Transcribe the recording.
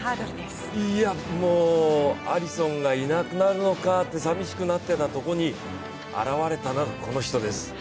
もうアリソンがいなくなるのかってさみしくなってたところに現れたのがこの人です。